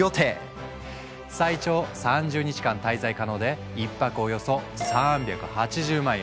最長３０日間滞在可能で１泊およそ３８０万円。